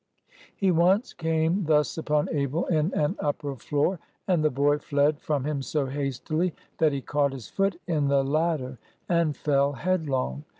He once came thus upon Abel in an upper floor, and the boy fled from him so hastily that he caught his foot in the ladder and fell headlong.